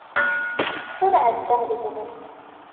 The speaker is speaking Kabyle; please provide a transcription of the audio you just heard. Ur ɛeddaɣ deg-wen.